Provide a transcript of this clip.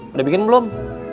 udah bikin belum